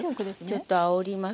ちょっとあおりますから。